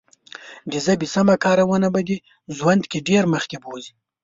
د ژبې سمه کارونه به دې ژوند کې ډېر مخکې بوزي.